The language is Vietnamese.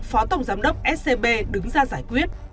phó tổng giám đốc scb đứng ra giải quyết